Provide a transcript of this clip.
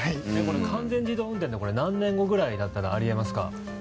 完全自動運転って何年後くらいならあり得ますか？